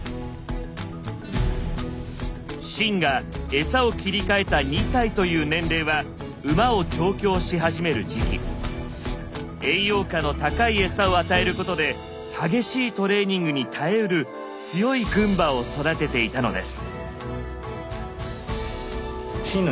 秦が餌を切り替えた２歳という年齢は栄養価の高い餌を与えることで激しいトレーニングに耐えうる強い軍馬を育てていたのです。